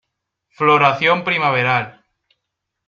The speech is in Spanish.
Floración primaveral.